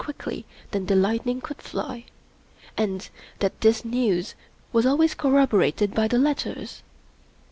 quickly than the lightning could fly, and that this news was always corroborated by the letters.